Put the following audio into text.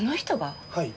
はい。